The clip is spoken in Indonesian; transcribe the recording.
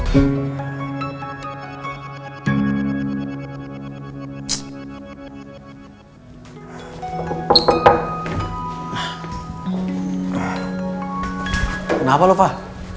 kenapa lu fah